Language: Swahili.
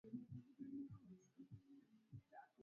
nadharia tete hii tafiti za wanyama zimeonyesha kwamba